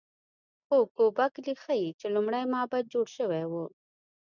خو ګوبک لي ښيي چې لومړی معبد جوړ شوی و.